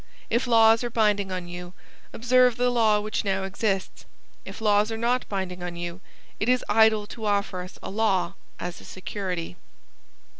If laws are binding on you, observe the law which now exists. If laws are not binding on you, it is idle to offer us a law as a security.